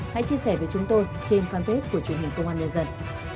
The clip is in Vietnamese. hãy chia sẻ với chúng tôi trên fanpage của chương trình công an nhân dân